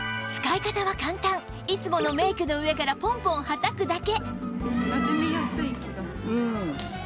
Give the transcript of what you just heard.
いつものメイクの上からポンポンはたくだけ